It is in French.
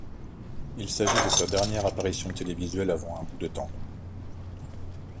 Il s'agit de sa dernière apparition télévisuelle avant un bout de temps.